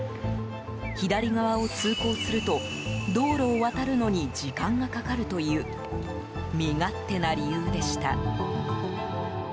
左側を通行すると道路を渡るのに時間がかかるという身勝手な理由でした。